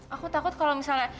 aku takut kalo misalnya